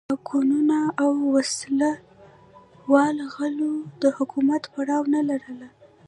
ډاکوانو او وسله والو غلو د حکومت پروا نه لرله.